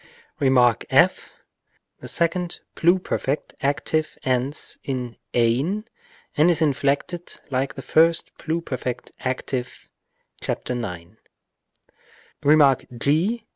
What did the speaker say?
Rem. f. The second pluperfect active ends in ew and is inflected like the first pluperfect active (§ 9). Rem. g.